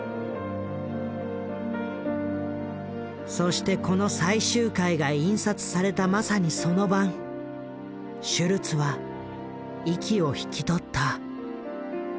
そしてこの最終回が印刷されたまさにその晩シュルツは息を引き取った。